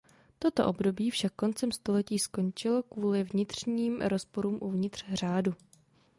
Toto období však koncem století skončilo kvůli vnitřním rozporům uvnitř řádu.